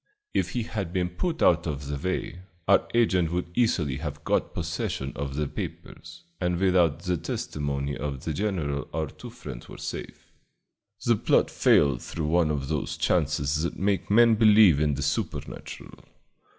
If he had been put out of the way, our agent would easily have got possession of the papers, and without the testimony of the general our two friends were safe. The plot failed through one of those chances that make men believe in the supernatural.